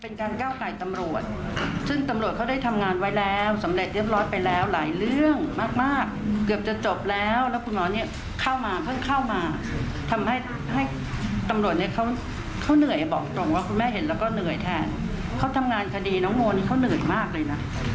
ก้าวไก่ตำรวจซึ่งตำรวจเขาได้ทำงานไว้แล้วสำเร็จเรียบร้อยไปแล้วหลายเรื่องมากมากเกือบจะจบแล้วแล้วคุณหมอเนี่ยเข้ามาเพิ่งเข้ามาทำให้ให้ตำรวจเนี่ยเขาเหนื่อยบอกตรงว่าคุณแม่เห็นแล้วก็เหนื่อยแทนเขาทำงานคดีน้องโมนี่เขาเหนื่อยมากเลยนะ